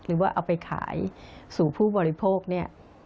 หรือว่าเอาไปขายสู่ผู้บริโภคเนี่ย